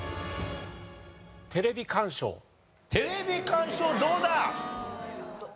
テレビ鑑賞どうだ？